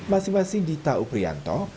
masih masih di tahu prianto